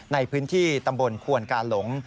ในพื้นที่ตำบลควนกาหลง